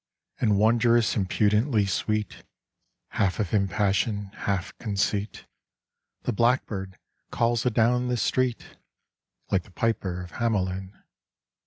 . And wondrous impudently sweet, Half of him passion, half conceit, The blackbird calls adown the street Like the piper of Hamelin.